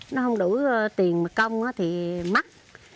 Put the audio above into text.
nó không đủ tiền mà công thì mắc